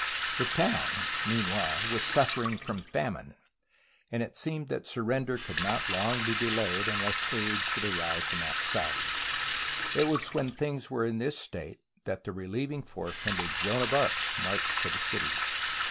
The town, meanwhile, was suffering from fam ine, and it seemed that surrender could not long be delayed unless aid should arrive from outside. It was when things were in this state that the re lieving force under Joan of Arc marched to the city.